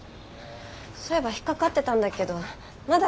そういえば引っ掛かってたんだけどまだ